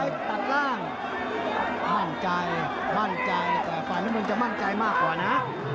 ตัดล่างมั่นใจมั่นใจแต่ฝ่ายน้ำเงินจะมั่นใจมากกว่านะ